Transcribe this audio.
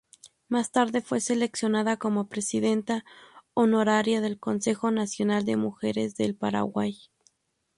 Más tarde fue seleccionada como presidenta honoraria del Consejo Nacional de Mujeres del Paraguay.